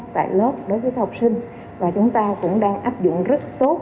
tại lớp đối với học sinh và chúng ta cũng đang áp dụng rất tốt